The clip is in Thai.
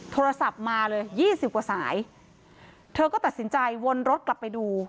โทรศัพท์มาเลยยี่สิบกว่าสายเธอก็ตัดสินใจวนรถกลับไปดู